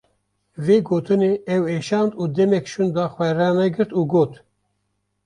Vê gotinê ew êşand û demek şûnda xwe ranegirt û got: